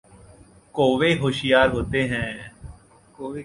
कौवे होशियार होते हैं।